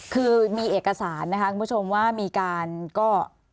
คือมีเอกสารนะคะคุณผู้ชมว่ามีการก็